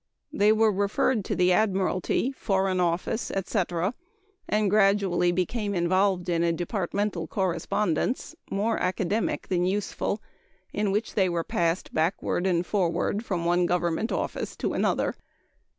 They were referred to the Admiralty, Foreign Office, etc., and gradually became involved in a departmental correspondence more academic than useful in which they were passed backward and forward from one government office to another.